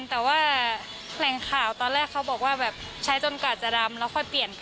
แต่ว่าแหล่งข่าวตอนแรกเขาบอกว่าแบบใช้จนกว่าจะดำแล้วค่อยเปลี่ยนก่อน